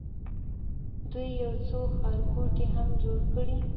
دوی یو څو ښارګوټي هم جوړ کړي.